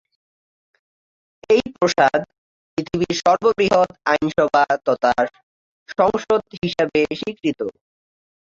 এই প্রাসাদ পৃথিবীর সর্ববৃহৎ আইনসভা তথা সংসদ হিসেবে স্বীকৃত।